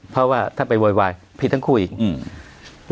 เพราะว่าถ้าไปโวยวายผิดทั้งคู่อีกอืม